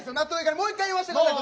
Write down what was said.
もう一回言わしてください！